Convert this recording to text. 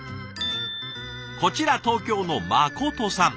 こちら東京のまことさん。